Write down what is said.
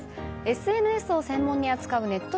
ＳＮＳを専門に扱うネット